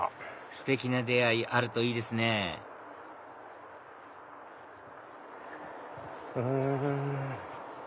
ステキな出会いあるといいですねん？